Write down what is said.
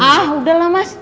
ah udahlah mas